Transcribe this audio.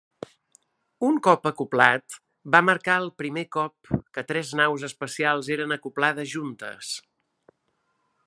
Un cop acoblat, va marcar el primer cop que tres naus espacials eren acoblades juntes.